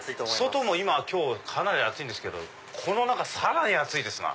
外も今日かなり暑いんですけどこの中さらに暑いですな。